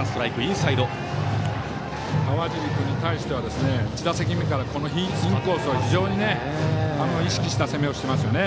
川尻君に対しては１打席目からインコースを非常に意識した攻めをしていますね。